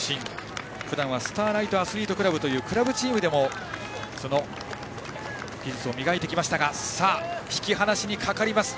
ふだんはＳｔａｒＬｉｇｈｔアスリートクラブというクラブチームでもその技術を磨いてきましたが引き離しにかかります。